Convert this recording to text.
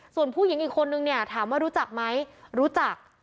ส่วนผู้หญิงอีกคนนึงเนี่ยถามว่ารู้จักไหมรู้จัก